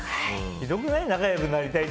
ひどくない？